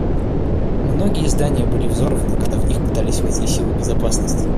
Многие здания были взорваны, когда в них пытались войти силы безопасности.